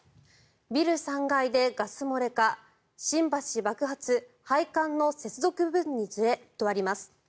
ビル３階でガス漏れか新橋爆発、配管の接続部分にずれとあります。